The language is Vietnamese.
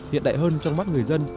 hiện đại hơn trong mắt người dân